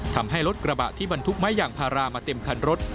ทำให้รถกระบะที่บรรทุกไม้อย่างพารามาเต็มคันรถ